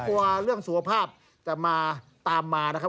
กลัวเรื่องสุขภาพจะมาตามมานะครับ